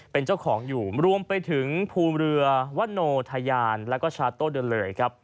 เป็นเจ้าของอยู่รวมไปถึงภูมิเรือวัทโนธรรยานแล้วก็ชาตโตดึงเลย